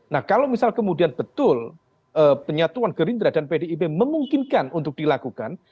nah kalau misal kemudian betul penyatuan gerindra dan pdip memungkinkan untuk dilakukan